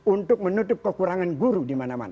untuk menutup kekurangan guru dimana mana